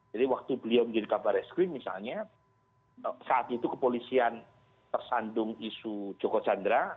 jadi waktu beliau menjadi kabar es krim misalnya saat itu kepolisian tersandung isu joko chandra